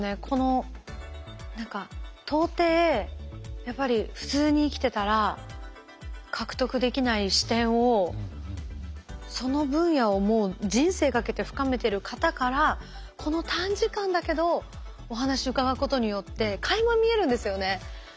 この何か到底やっぱり普通に生きてたら獲得できない視点をその分野をもう人生懸けて深めてる方からこの短時間だけどお話伺うことによってかいま見えるんですよね。